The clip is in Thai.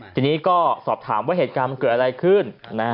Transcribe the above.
ทีนี้ก็สอบถามว่าเหตุการณ์มันเกิดอะไรขึ้น